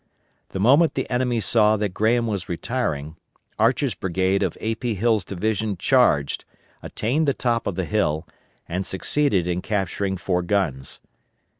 The moment the enemy saw that Graham was retiring, Archer's brigade of A. P. Hill's division charged, attained the top of the hill, and succeeded in capturing four guns.